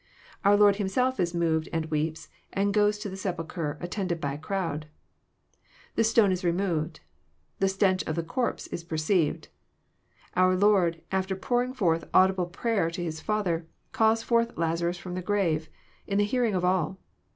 Our Lord Himself is moved, and weeps, and goes to the sepulchre, attended by a crowd. The stone is removed. The stench of the corpse is perceived. Our Lord, after pouring forth audible prayer to His Father, calls forth Lazarus from the grave, in the hearing of all.